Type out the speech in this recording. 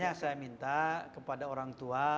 yang saya minta kepada orang tua